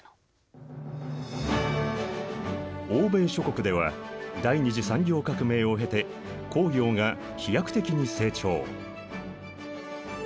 欧米諸国では第二次産業革命を経て工業が飛躍的に成長。